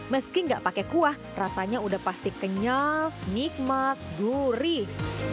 meski nggak pakai kuah rasanya udah pasti kenyal nikmat gurih